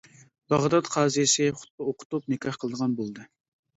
باغدات قازىسى خۇتبە ئوقۇتۇپ نىكاھ قىلىدىغان بولدى.